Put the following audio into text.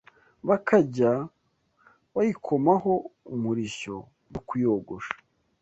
bakajya bayikomaho umurishyo byo kuyogosha